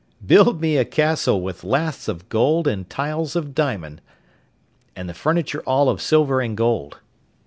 'Build me a castle with laths of gold and tiles of diamond, and the furniture all of silver and gold.